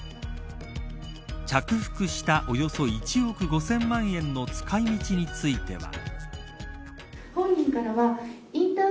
着服したおよそ１億５０００万円の使い道については。